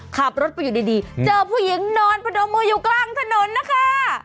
ขับรถไปอยู่ดีเจอผู้หญิงนอนพนมมืออยู่กลางถนนนะคะ